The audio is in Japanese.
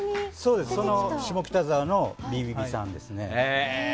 そうです、その下北沢のビビビさんですね。